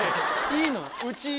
いいの？